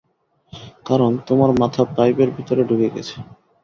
কারণ, তোমার মাথা পাইপের ভেতরে ঢুকে গেছে।